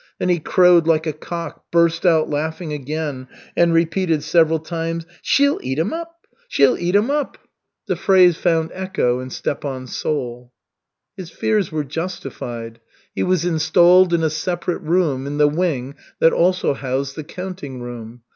Then he crowed like a cock, burst out laughing again, and repeated several times: "She'll eat him up! She'll eat him up!" The phrase found echo in Stepan's soul. His fears were justified. He was installed in a separate room in the wing that also housed the counting room.